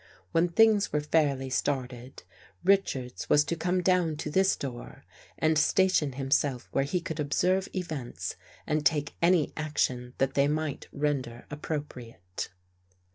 When things were fairly started, Richards was to come down to this door and station himself where he could observe events and take any action that they might render appro priate.